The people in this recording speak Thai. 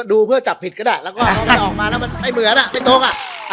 เพื่อจับผิดก็ได้แล้วก็พอมันออกมาแล้วมันไม่เหมือนอ่ะไม่ตรงอ่ะ